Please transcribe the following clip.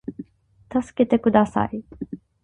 たすけてください